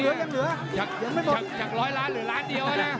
ยังเหลือน้าร้ายล้านหนึ่งหลือร้านเดียวนะ